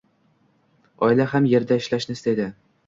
oila ham yerda ishlashni istaydi